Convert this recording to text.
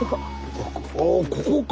ああここか！